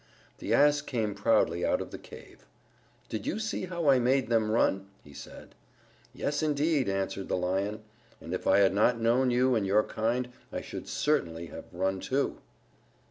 The Ass came proudly out of the cave. "Did you see how I made them run?" he said. "Yes, indeed," answered the Lion, "and if I had not known you and your kind I should certainly have run, too."